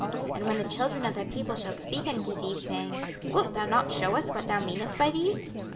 26:037:018 And when the children of thy people shall speak unto thee, saying, Wilt thou not shew us what thou meanest by these?